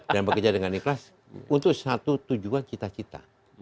dan bekerja dengan ikhlas untuk satu tujuan cita cita